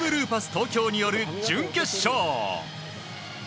東京による準決勝。